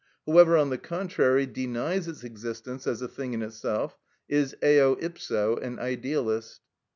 Whoever, on the contrary, denies its existence as a thing in itself is eo ipso an idealist.